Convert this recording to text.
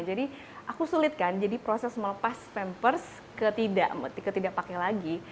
jadi aku sulit kan jadi proses melepas pampers ketidak ketidak pakai lagi